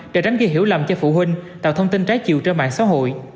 để đánh ghi hiểu lầm cho phụ huynh tạo thông tin trái chiều trên mạng xã hội